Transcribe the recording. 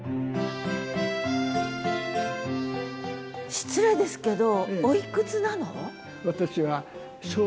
失礼ですけどおいくつなの？